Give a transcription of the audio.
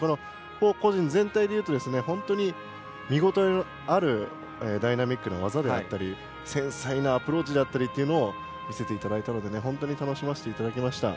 ４個人全体でいうと見応えのあるダイナミックな技であったり繊細なアプローチであったりというのを見せていただいたので本当に楽しませていただきました。